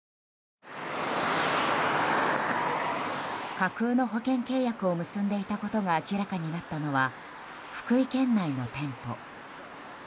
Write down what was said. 架空の保険契約を結んでいたことが明らかになったのは福井県内の店舗。